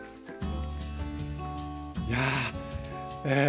いやあええ。